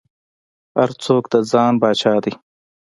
هر څوک د ځان پاچا دى.